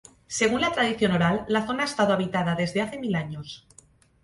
Según la tradición oral, la zona ha estado habitada desde hace mil años.